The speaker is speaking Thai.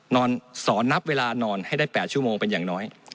สอนนับเวลานอนให้ได้๘ชั่วโมงเป็นอย่างน้อย